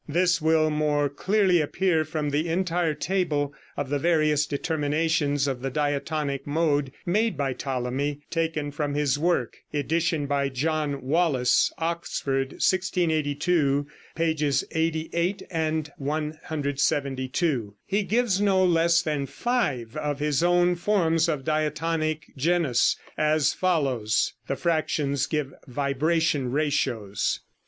This will more clearly appear from the entire table of the various determinations of the diatonic mode made by Ptolemy, taken from his work. (Edition by John Wallis, Oxford, 1682, pp. 88 and 172.) He gives no less than five of his own forms of diatonic genus, as follows: (The fractions give vibration ratios.)